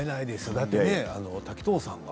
だって滝藤さんが。